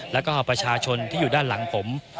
แล้วก็เอาประชาชนที่อยู่ด้านหลังผม